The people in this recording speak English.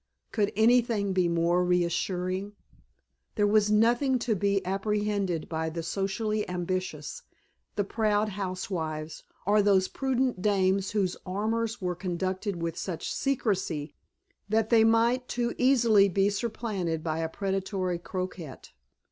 Could anything be more reassuring? There was nothing to be apprehended by the socially ambitious, the proud housewives, or those prudent dames whose amours were conducted with such secrecy that they might too easily be supplanted by a predatory coquette.